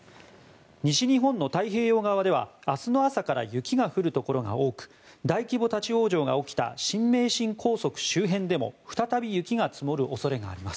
西日本の太平洋側では明日の朝から雪が降るところが多く大規模立ち往生が起きた新名神高速周辺でも再び雪が積もる恐れがあります。